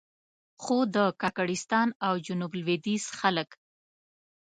خو د کاکړستان او جنوب لوېدیځ خلک.